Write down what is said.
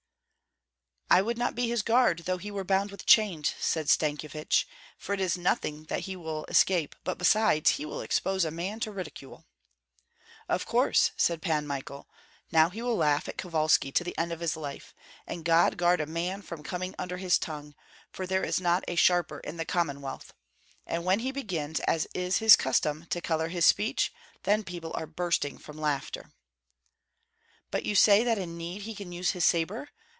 "I would not be his guard, though he were bound with chains," said Stankyevich; "for it is nothing that he will escape, but besides, he will expose a man to ridicule." "Of course!" said Pan Michael. "Now he will laugh at Kovalski to the end of his life; and God guard a man from coming under his tongue, for there is not a sharper in the Commonwealth. And when he begins, as is his custom, to color his speech, then people are bursting from laughter." "But you say that in need he can use his sabre?"